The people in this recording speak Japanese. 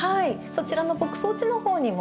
そちらの牧草地のほうにも。